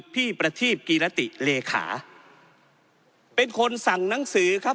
ประทีบกีรติเลขาเป็นคนสั่งหนังสือครับ